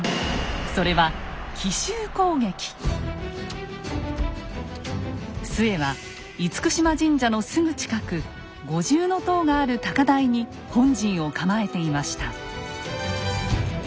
それは陶は嚴島神社のすぐ近く五重塔がある高台に本陣を構えていました。